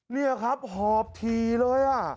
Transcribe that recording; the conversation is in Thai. นี่ครับหอบทีเลย